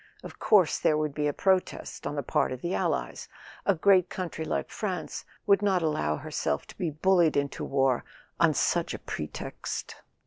Of course there would be a protest on the part of the allies; a great country like France would not allow herself to be bullied into war on such a pretext.